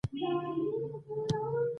پکورې له چاپېریال سره ښکلي دي